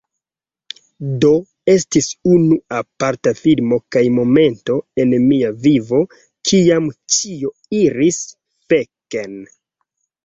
Do, estis unu aparta filmo kaj momento en mia vivo kiam ĉio iris feken